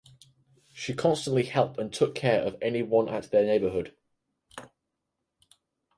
She constantly help and took care of any one at their neighborhood.